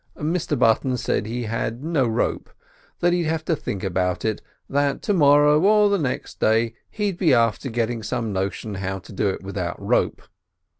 Mr Button said he had no rope, that he'd have to think about it, that to morrow or next day he'd be after getting some notion how to do it without rope.